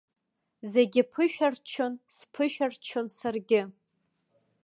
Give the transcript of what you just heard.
Зегьы ԥышәырччон, сԥышәырччон саргьы.